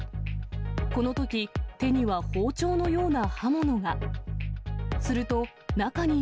このとき、手には包丁のような刃物が。